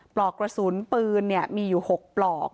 ปลอกกระสุนปืนมีอยู่๖ปลอก